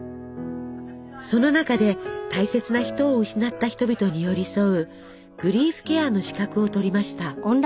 その中で大切な人を失った人々に寄り添うグリーフケアの資格をとりました。